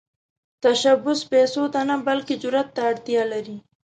تشبث پيسو ته نه، بلکې جرئت ته اړتیا لري.